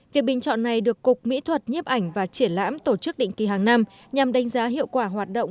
việc bình chọn này được cục mỹ thuật nhiếp ảnh và triển lãm tổ chức định kỳ hàng năm nhằm đánh giá hiệu quả hoạt động